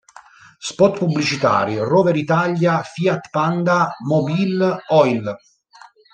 Spot Pubblicitari: Rover Italia-Fiat Panda-Mobil Oil.